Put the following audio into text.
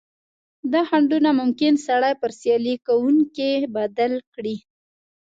دا خنډونه ممکن سړی پر سیالي کوونکي بدل کړي.